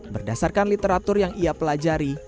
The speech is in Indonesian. berdasarkan literatur yang ia pelajari